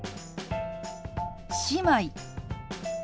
「姉妹」。